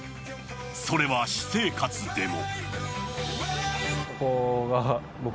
それは私生活でも。